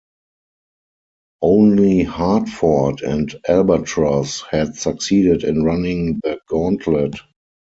Only "Hartford" and "Albatross" had succeeded in running the gauntlet.